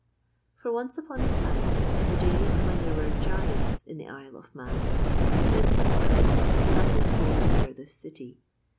For once upon a time, in the days when there were giants in the Isle of Mann, Finn Mac Cool had his home near this city.